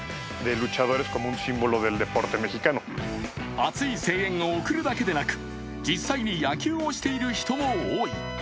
熱い声援を送るだけでなく、実際に野球をしている人も多い。